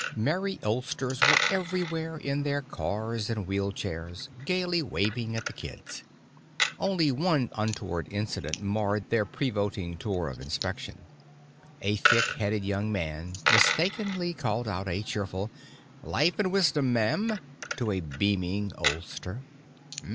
Merry oldsters were everywhere in their cars and wheelchairs, gaily waving at the kids. Only one untoward incident marred their prevoting tour of inspection. A thick headed young man mistakenly called out a cheerful: "Life and wisdom, ma'am!" to a beaming oldster.